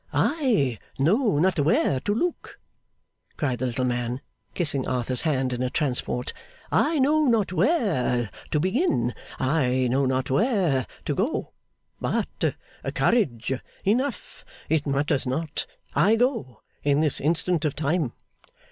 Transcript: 'I know not where to look,' cried the little man, kissing Arthur's hand in a transport. 'I know not where to begin. I know not where to go. But, courage! Enough! It matters not! I go, in this instant of time!